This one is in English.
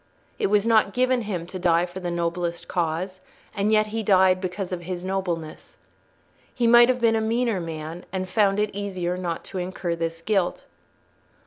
It was not given him to die for the noblest cause, and yet he died because of his nobleness. He might have been a meaner man and found it easier not to incur this guilt.